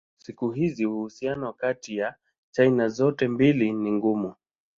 Siku hizi uhusiano kati ya China zote mbili ni mgumu.